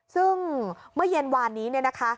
ซึ่งเมื่อเย็นวานนี้เนี่ยนะคะ